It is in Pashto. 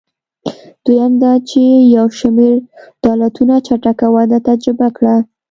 دویم دا چې یو شمېر دولتونو چټکه وده تجربه کړه.